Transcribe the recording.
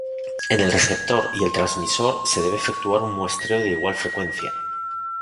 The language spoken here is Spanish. En el receptor y el transmisor se debe efectuar un muestreo de igual frecuencia.